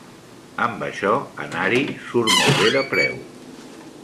Amb això, anar-hi surt molt bé de preu.